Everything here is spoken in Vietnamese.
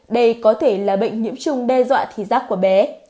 đây có thể là bệnh nhiễm trùng đe dọa thí giác của bé